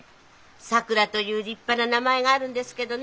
さくらという立派な名前があるんですけどね。